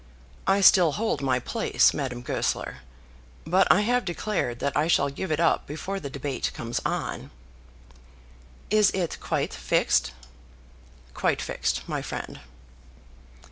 I still hold my place, Madame Goesler, but I have declared that I shall give it up before the debate comes on." "It is quite fixed?" "Quite fixed, my friend."